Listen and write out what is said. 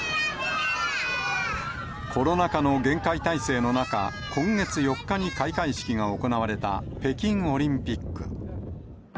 コロナ禍の厳戒態勢の中、今月４日に開会式が行われた北京オリンピック。